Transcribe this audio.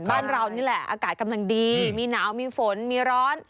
บ้านเรานี่แหละอากาศกำลังดีมีหนาวมีฝนมีร้อน